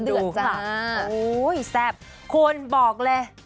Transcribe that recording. ดูค่ะโอ้โฮแซ่บคุณบอกเลย